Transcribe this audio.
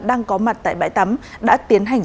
đang có mặt tại bãi tắm đã tiến hành